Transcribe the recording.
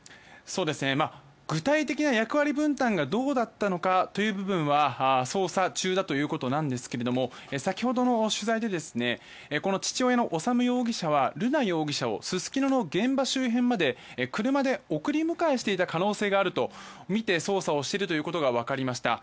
具体的な役割分担がどうだったのかという部分は捜査中だということですが先ほどの取材で父親の修容疑者は瑠奈容疑者をすすきのの現場周辺まで車で送り迎えしていた可能性があるとみて捜査をしているということが分かりました。